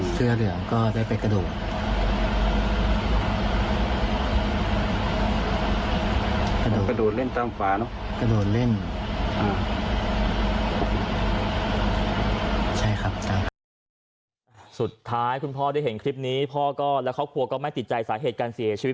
สุดท้ายคุณพ่อได้เห็นคลิปนี้พ่อก็และครอบครัวก็ไม่ติดใจสาเหตุการเสียชีวิต